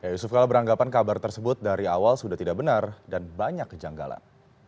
yusuf kala beranggapan kabar tersebut dari awal sudah tidak benar dan banyak kejanggalan